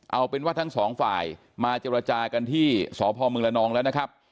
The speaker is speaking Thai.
เอาเป็นว่าทั้งสองฝ่ายมาเจรจากันที่สพมละนองแล้วนะครับ